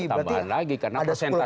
tambahan lagi karena persentasenya